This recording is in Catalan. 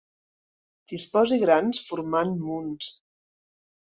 Disposi grans formant munts.